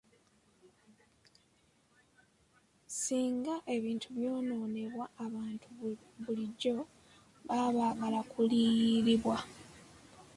Singa ebintu byonoonebwa, abantu bulijjo baba bagala kuliyirirwa.